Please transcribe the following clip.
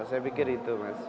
saya pikir itu mas